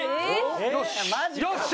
よし！